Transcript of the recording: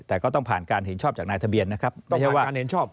แต่ก็ต้องผ่านการเห็นชอบจากนายทะเบียนนะครับ